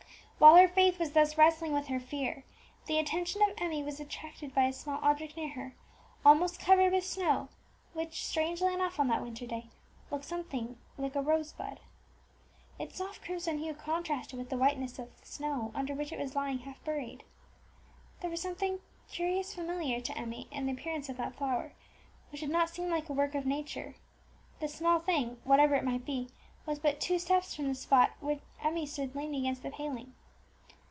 While her faith was wrestling thus with her fear, the attention of Emmie was attracted by a small object near her, almost covered with snow, which, strangely enough on that winter day, looked something like a rosebud. Its soft crimson hue contrasted with the whiteness of the snow under which it was lying half buried. There was something curiously familiar to Emmie in the appearance of that flower, which did not seem like a work of nature. The small thing, whatever it might be, was but two steps from the spot where Emmie stood leaning against the paling.